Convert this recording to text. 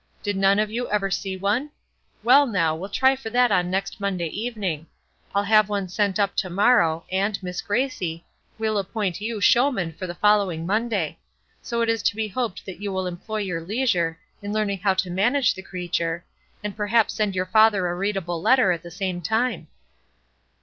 Did none of you ever see one? Well, now, we'll try for that on next Monday evening. I'll have one sent up to morrow, and, Miss Gracie, we'll appoint you showman for the following Monday; so it is to be hoped that you will employ your leisure in learning how to manage the creature, and perhaps send your father a readable letter at the same time."